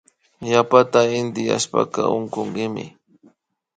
Yapata intiyashpaka unkunkimi